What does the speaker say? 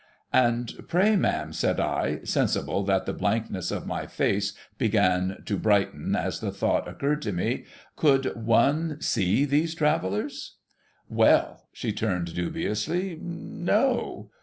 ' And pray, ma'am,' said I, sensible that the blankness of my face began to brighten as the thought occurred to me, ' could one see these Travellers ?'' Well !' she returned dubiously, ' no